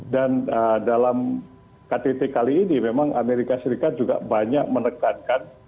dan dalam ktt kali ini memang amerika serikat juga banyak menekan